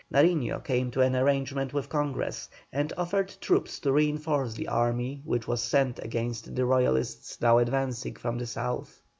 Nariño came to an arrangement with Congress, and offered troops to reinforce the army which was sent against the Royalists now advancing from the south.